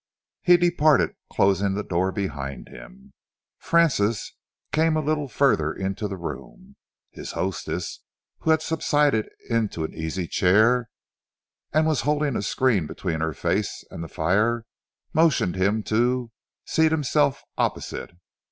He departed, closing the door behind him. Francis came a little further into the room. His hostess, who had subsided into an easy chair and was holding a screen between her face and the fire, motioned him to, seat himself opposite.